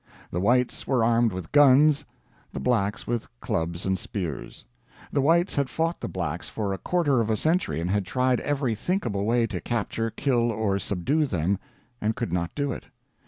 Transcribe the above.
The Whites were armed with guns, the Blacks with clubs and spears. The Whites had fought the Blacks for a quarter of a century, and had tried every thinkable way to capture, kill, or subdue them; and could not do it.